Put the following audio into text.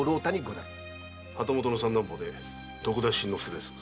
旗本の三男坊で徳田新之助です。